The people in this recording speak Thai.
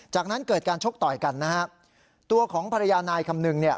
จากนั้นเกิดการชกต่อยกันนะฮะตัวของภรรยานายคำนึงเนี่ย